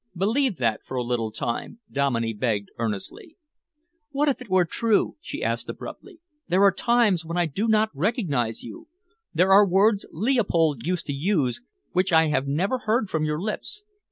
"Believe that for a little time," Dominey begged earnestly. "What if it were true?" she asked abruptly. "There are times when I do not recognise you. There are words Leopold used to use which I have never heard from your lips.